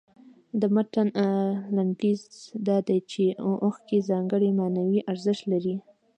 د متن لنډیز دا دی چې اوښکې ځانګړی معنوي ارزښت لري.